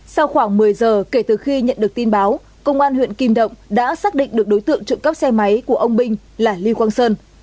sau khoảng một mươi giờ kể từ khi nhận được tin báo công an huyện kim động đã xác định được đối tượng trộm cắp xe máy của ông binh là lưu quang sơn